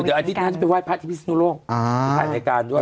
เดี๋ยวอาทิตย์นั้นจะไปไหว้พระธิพฤศนุโลกผ่านรายการด้วย